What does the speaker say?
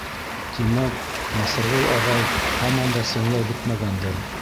Тимәк, Насырғол ағай һаман да сеңләй бөтмәгәндер.